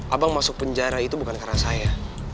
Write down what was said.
abang masuk penjara itu bukan karena saya